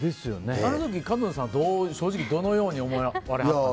あの時、角野さんは正直、どのように思われましたか。